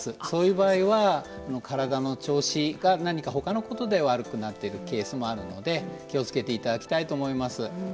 そういう場合は体の調子が何かほかのことで悪くなっているケースもあるので気をつけていただきたいと思います。